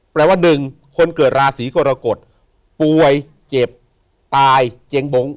แปลว่าหนึ่งคนเกิดราศีกรกฎป่วยเจ็บตายเจียงบง